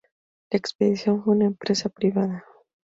La expedición fue una empresa privada.